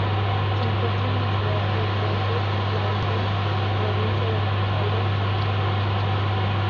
Se encuentra en la ciudad de Trenque Lauquen, provincia de Buenos Aires, Argentina.